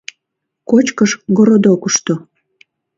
— Кочкыш — городокышто.